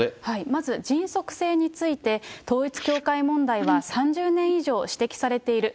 まず迅速性について、統一教会問題は３０年以上指摘されている。